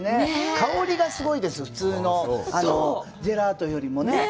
香りがすごいです普通のジェラートよりもね